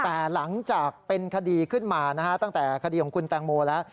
แต่หลังจากเป็นคดีขึ้นมานะฮะตั้งแต่คดีของคุณแตงโมแล้ว